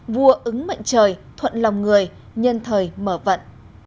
vua ứng mệnh trời thuận lòng người nhân thời mở vận